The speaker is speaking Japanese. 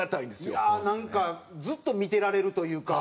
いやなんかずっと見てられるというか。